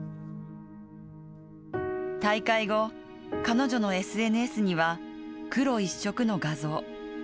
大会後、彼女のＳＮＳには黒一色の画像。